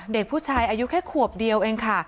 เด็กผู้ชายอายุแค่ขวบเดียวเองค่ะ